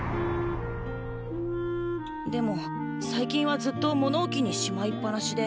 でも最近はずっと物置にしまいっ放しで。